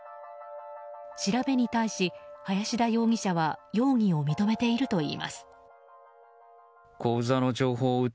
調べに対し、林田容疑者は容疑を認めているといいます。